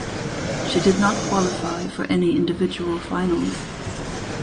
She did not qualify for any individual finals.